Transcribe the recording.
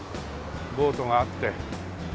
ボートがあって。